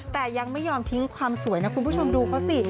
แต่ยังไม่ยอมทิ้งความสวยนะคุณผู้ชมดูเขาสิ